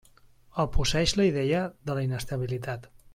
El posseeix la idea de la inestabilitat.